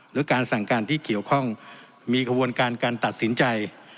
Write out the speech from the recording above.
หรือการสั่งการที่เกี่ยวข้องมีกระบวนการการตัดสินใจ